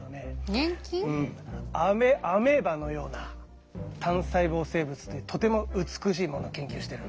アメアメーバのような単細胞生物でとても美しいものを研究してるんだ。